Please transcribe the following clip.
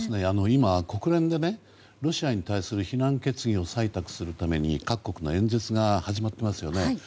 今、国連でロシアに対する非難決議を採択するために、各国の演説が始まっていますよね。